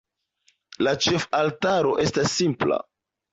La ĉefaltaro estas simpla.